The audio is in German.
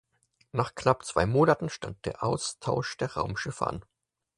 Nach knapp zwei Monaten stand der Austausch der Raumschiffe an.